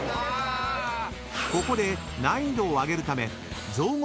［ここで難易度を上げるため造語